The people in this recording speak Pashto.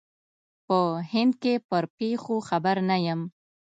په هند کې پر پېښو خبر نه یم.